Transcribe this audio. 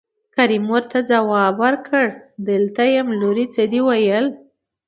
کريم ورته ځواب ورکړ دلته يم لورې څه دې وويل.